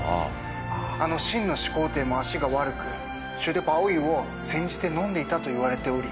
あの秦の始皇帝も足が悪く血的宝玉を煎じて飲んでいたといわれており